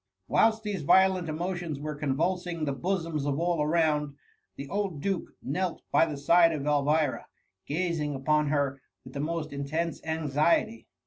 ^ Whilst these violent emotions were convuls* ing the bosoms of all around, the old duke knelt by the side of Elvira, gazing upon her with the most intense anxkty.